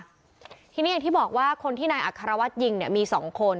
ทีนี้อย่างที่บอกว่าคนที่นายอัครวัฒน์ยิงเนี่ยมีสองคน